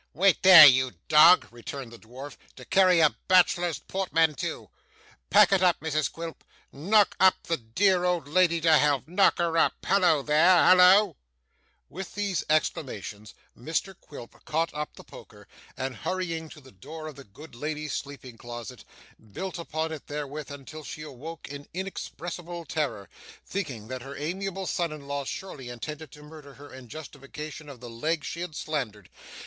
'Wait there, you dog,' returned the dwarf, 'to carry a bachelor's portmanteau. Pack it up, Mrs Quilp. Knock up the dear old lady to help; knock her up. Halloa there! Halloa!' With these exclamations, Mr Quilp caught up the poker, and hurrying to the door of the good lady's sleeping closet, beat upon it therewith until she awoke in inexpressible terror, thinking that her amiable son in law surely intended to murder her in justification of the legs she had slandered.